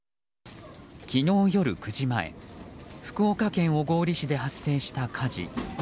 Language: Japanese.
昨日夜９時前福岡県小郡市で発生した火事。